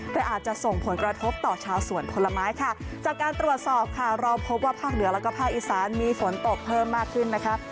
แต่อาจจะส่งผลกระทบต่อชาวสวนผลไม้ค่ะจากการตรวจสอบค่ะเราพบว่าภาคเหนือแล้วก็ภาคอีสานมีฝนตกเพิ่มมากขึ้นนะคะ